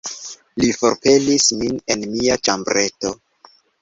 Li forpelis min el mia ĉambreto...